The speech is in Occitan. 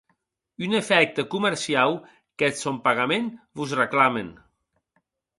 Un efècte comerciau qu’eth sòn pagament vos reclamen.